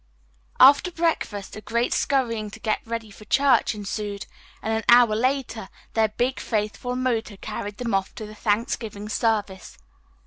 After breakfast, a great scurrying to get ready for church ensued, and an hour later their big, faithful motor carried them off to the Thanksgiving service.